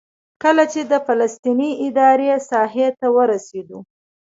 کله چې د فلسطیني ادارې ساحې ته ورسېدو.